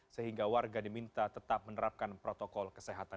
sehingga warga diminta tetap menerapkan protokol kesehatan